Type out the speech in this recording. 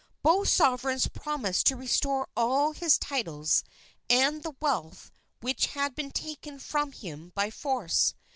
Both Sovereigns promised to restore all his titles and the wealth which had been taken from him by force.